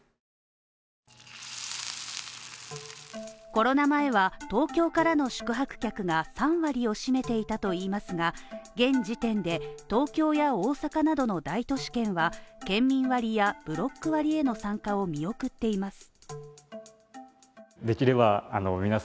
コロナ前は東京からの宿泊客が３割を占めていたといいますが現時点で東京や大阪などの大都市圏は県民割やブロック割への参加を見送っています。